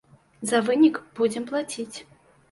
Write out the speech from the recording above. За вынік будзем плаціць.